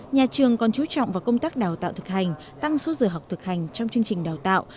nhà trường còn chú trọng vào công tác đào tạo thực hành tăng số giờ học thực hành trong chương trình đào tạo